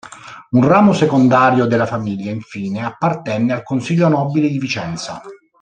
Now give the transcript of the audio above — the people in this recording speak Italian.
Un ramo secondario della famiglia, infine, appartenne al Consiglio nobile di Vicenza.